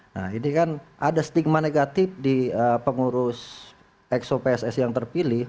nah ini kan ada stigma negatif di pengurus exo pssi yang terpilih